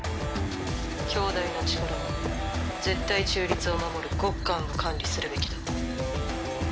「強大な力は絶対中立を守るゴッカンが管理するべきだ」